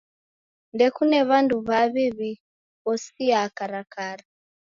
Ndekune w'andu w'aw'i w'ighosiaa karakara.